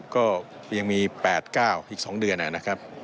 ก็ยังมี๘๙อีก๒เดือน